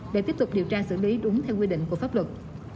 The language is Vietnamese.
để tiếp tục điều tra xử lý đúng theo quy định của pháp luật